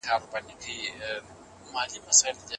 کارکوونکو له پخوا راهيسي خپلي دندي په امانتدارۍ پرمخ بېولې.